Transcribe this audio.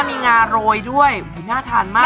มีงาโรยด้วยน่าทานมาก